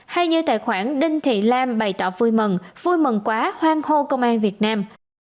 hay như tài khoản đinh thị lam bày tỏ vui mừng vui mừng quá hoang khô công an việt nam